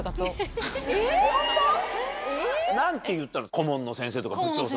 顧問の先生とか部長さん。